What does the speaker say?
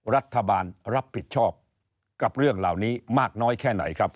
รัฐบาลรับผิดชอบกับเรื่องเหล่านี้มากน้อยแค่ไหนครับ